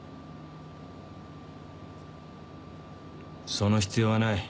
その必要はない。